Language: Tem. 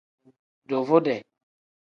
Duvude.